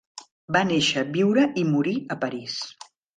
Va néixer, viure i morir a París.